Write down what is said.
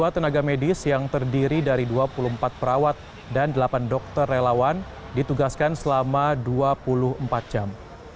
dua puluh tenaga medis yang terdiri dari dua puluh empat perawat dan delapan dokter relawan ditugaskan selama dua puluh empat jam